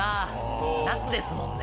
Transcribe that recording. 夏ですもんね。